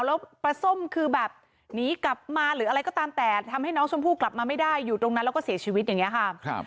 แล้วปลาส้มคือแบบหนีกลับมาหรืออะไรก็ตามแต่ทำให้น้องชมพู่กลับมาไม่ได้อยู่ตรงนั้นแล้วก็เสียชีวิตอย่างนี้ค่ะ